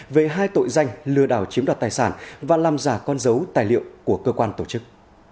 về hai tội danh lừa đảo chiếm đoạt tài sản và làm giả con dấu tài liệu của cơ quan tổ chức